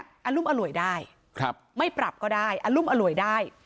อรุมอร่วยได้ไม่ปรับก็ได้อรุมอร่วยได้